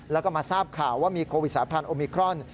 แล้วก็มาทราบข่าวว่ามีโควิดสายพันธ์โอมิครอน